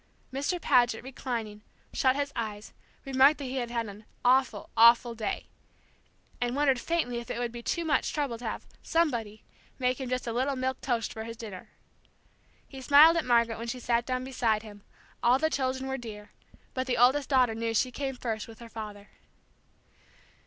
Mr. Paget, reclining, shut his eyes, remarked that he had had an "awful, awful day," and wondered faintly if it would be too much trouble to have "somebody" make him just a little milk toast for his dinner. He smiled at Margaret when she sat down beside him; all the children were dear, but the oldest daughter knew she came first with her father.